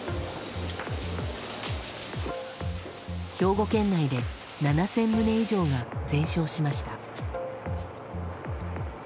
兵庫県内で７０００棟以上が全焼しました。